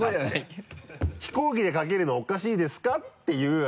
「飛行機でかけるのおかしいですか？」っていう。